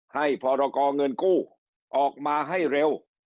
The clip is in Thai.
พรกรเงินกู้ออกมาให้เร็ว